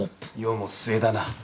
世も末だな。